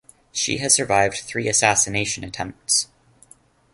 She has survived three assassination attempts.